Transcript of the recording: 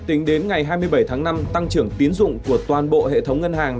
tính đến ngày hai mươi bảy tháng năm tăng trưởng tiến dụng của toàn bộ hệ thống ngân hàng